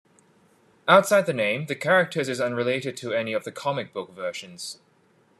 Outside the name, the character is unrelated to any of the comic book versions.